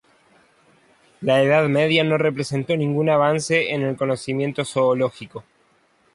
La Edad Media no representó ningún avance en el conocimiento zoológico.